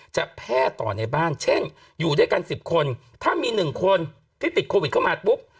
จะแพร่ต่อในบ้านเช่นอยู่ด้วยกัน๑๐คนถ้ามี๑คนที่ติดโควิดเข้ามาปุ๊บ